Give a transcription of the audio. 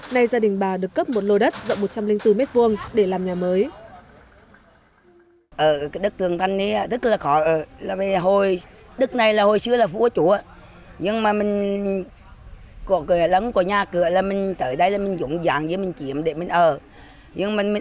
nay gia đình bà được cấp một lô đất rộng một trăm linh bốn m hai để làm nhà mới